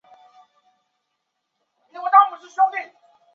二列叶柃为山茶科柃木属下的一个种。